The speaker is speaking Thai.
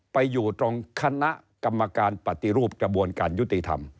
ไปอยู่ตรงคณะกรรมการปฏิรูปกระบวนการยุติธรรม